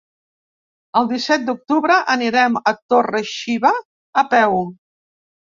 El disset d'octubre anirem a Torre-xiva a peu.